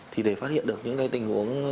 thì để phát hiện được những tình huống